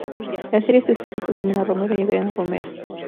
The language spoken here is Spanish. La serie está escrita por Jimena Romero y Adriana Romera.